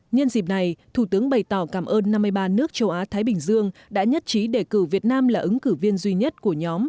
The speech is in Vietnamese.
nhân dịp này thủ tướng bày tỏ cảm ơn năm mươi ba nước châu á thái bình dương đã nhất trí đề cử việt nam là ứng cử viên duy nhất của nhóm